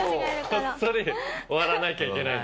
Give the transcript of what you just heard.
こっそり終わらなきゃいけない。